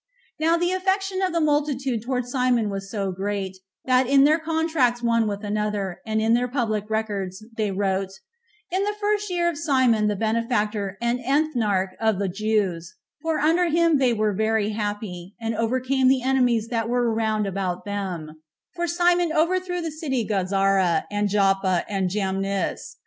Now the affection of the multitude towards Simon was so great, that in their contracts one with another, and in their public records, they wrote, "in the first year of Simon the benefactor and ethnarch of the Jews;" for under him they were very happy, and overcame the enemies that were round about them; for Simon overthrew the city Gazara, and Joppa, and Jamhis.